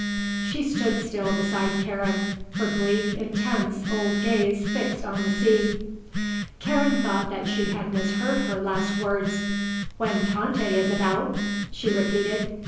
She stood still beside Karen, her bleak, intense old gaze fixed on the sea. Karen thought that she had misheard her last words. "When Tante is about?" she repeated.